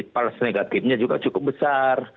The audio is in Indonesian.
palas negatifnya juga cukup besar